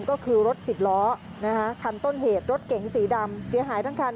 ก็คือรถสิบล้อนะคะคันต้นเหตุรถเก๋งสีดำเสียหายทั้งคัน